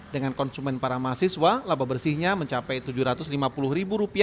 dengan konsumen para mahasiswa laba bersihnya mencapai rp tujuh ratus lima puluh